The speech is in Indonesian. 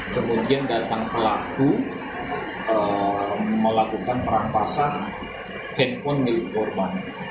kemudian datang pelaku melakukan perampasan handphone milik korban